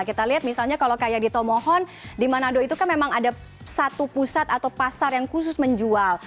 kita lihat misalnya kalau kayak di tomohon di manado itu kan memang ada satu pusat atau pasar yang khusus menjual